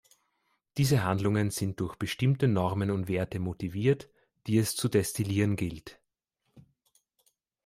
Diese Handlungen sind durch bestimmte Normen und Werte motiviert, die es zu destillieren gilt.